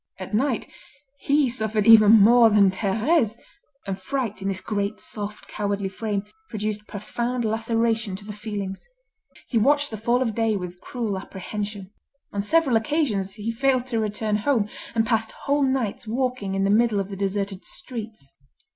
At night, he suffered even more than Thérèse; and fright, in this great, soft, cowardly frame, produced profound laceration to the feelings. He watched the fall of day with cruel apprehension. On several occasions, he failed to return home, and passed whole nights walking in the middle of the deserted streets.